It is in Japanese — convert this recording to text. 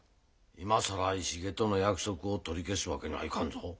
今更石毛との約束を取り消すわけにはいかんぞ。